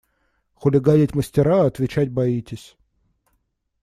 Хулиганить мастера, а отвечать боитесь!